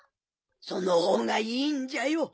そのほうがいいんじゃよ。